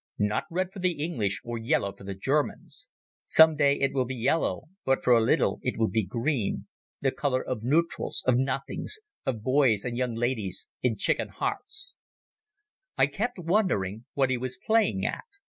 Not red for the English, or yellow for the Germans. Some day it will be yellow, but for a little it will be green—the colour of neutrals, of nothings, of boys and young ladies and chicken hearts." I kept wondering what he was playing at.